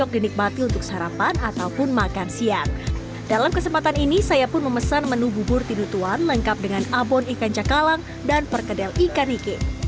dalam kesempatan ini saya pun memesan menu bubur tinutuan lengkap dengan abon ikan cakalang dan perkedel ikan ike